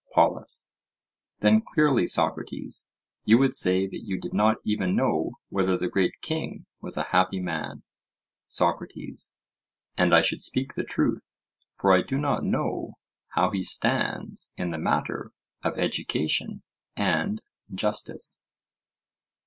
POLUS: Then clearly, Socrates, you would say that you did not even know whether the great king was a happy man? SOCRATES: And I should speak the truth; for I do not know how he stands in the matter of education and justice.